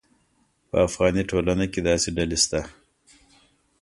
په افغاني ټولنه کې داسې ډلې شته.